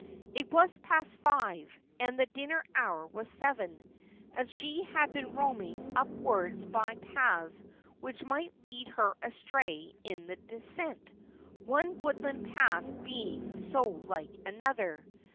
It was past five, and the dinner hour was seven ; and she had been roaming up wards by paths which might lead her astray in the descent, one woodland path being so like another.